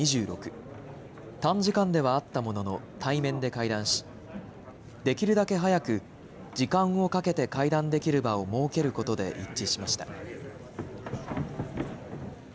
短時間ではあったものの、対面で会談し、できるだけ早く、時間をかけて会談できる場を設けることで一致しました。